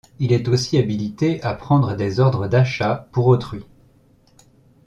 Il est aussi habilité à prendre des ordres d'achat pour autrui.